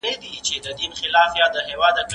ده د بديو مخنيوي لپاره د اخلاقو او قانون توازن وساته.